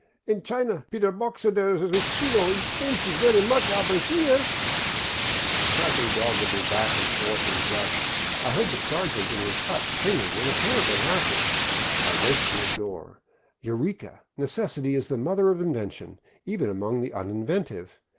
" In China py der Boxer der mosquito he pinch is very much, aber here !" Tramping doggedly back and forth in the dusk, I heard the sergeant in his hut singing and apparently happy. I raced to his door. Eureka ! Necessity is the mother of invention, even among the uninventive.